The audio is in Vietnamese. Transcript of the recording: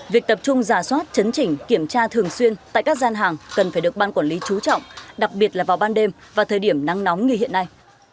việc tập trung giả soát chấn chỉnh kiểm tra thường xuyên tại các gian hàng cần phải được ban quản lý trú trọng đặc biệt là vào ban đêm và thời điểm nắng nóng như hiện nay